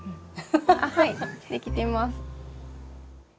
はいできてます。